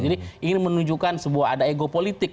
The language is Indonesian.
jadi ingin menunjukkan sebuah ada ego politik